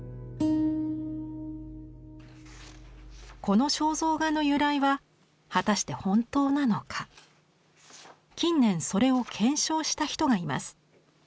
この肖像画の由来は果たして本当なのか近年それを検証した人がいます。